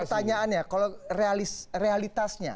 pertanyaannya kalau realitasnya